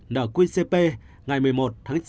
nỡ quy cp ngày một mươi một tháng chín